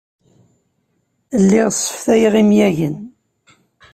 Lliɣ sseftayeɣ imyagen.